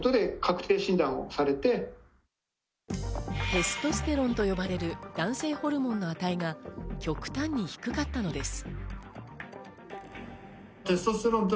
テストステロンと呼ばれる男性ホルモンの値が極端に低かったのです。